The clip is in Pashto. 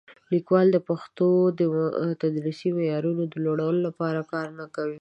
لیکوالان د پښتو د تدریسي معیارونو د لوړولو لپاره کار نه کوي.